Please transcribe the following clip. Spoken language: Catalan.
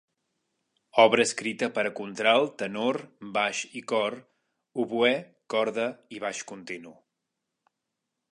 Obra escrita per a contralt, tenor, baix i cor; oboè, corda i baix continu.